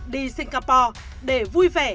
đi singapore để vui vẻ